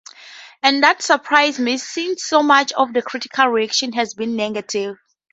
And that surprised me, since so much of the critical reaction has been negative.